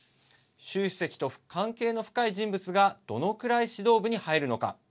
習主席と関係が深い人物がどのくらい指導部に入るのか。